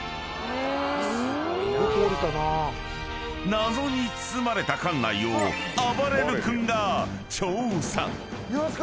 ［謎に包まれた艦内をあばれる君が調査］